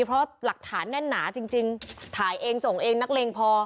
เพราะหลักฐานแน่นหนาจริงถ่ายเองส่งเองนักเลงพอ